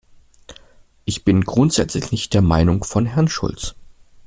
Ich bin grundsätzlich nicht der Meinung von Herrn Schulz.